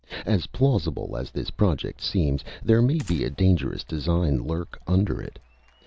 As plausible as this project seems, there may be a dangerous design lurk under it.